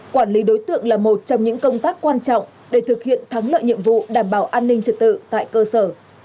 quản lý đối tượng là một trong những công tác quan trọng để thực hiện thắng lợi nhiệm vụ đảm bảo an ninh trật tự tại cơ sở